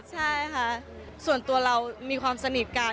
ใช่ค่ะส่วนตัวเรามีความสนิทกัน